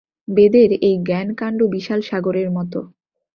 বেদের এই জ্ঞানকাণ্ড বিশাল সাগরের মত।